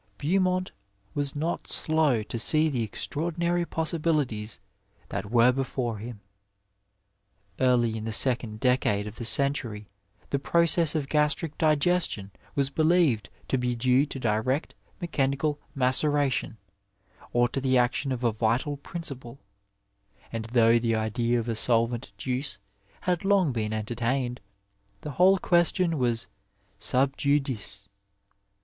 Beau mont was not slow to see the extraordinary possibilities that were before him. Early in the second decade of the century the process of gastric digestion was believed to be due to direct mechanical maceration or to the action of a vital principle, and though the idea of a solvent juice had long been entertained, the whole question was sub judice.